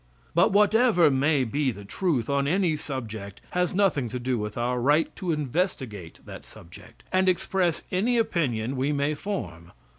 But whatever may be the truth on any subject has nothing to do with our right to investigate that subject, and express any opinion we may form.